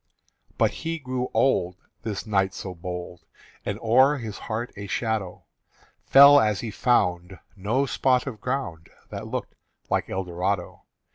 But he grew old This knight so bold And o'er his heart a shadow Fell as he found No spot of ground That looked like Eldorado.